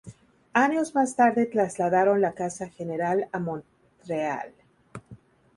Años más tarde trasladaron la casa general a Montreal.